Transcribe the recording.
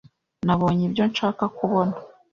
Nabonye ibyo nshaka kubona.